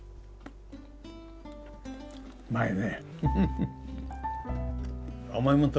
うまいね。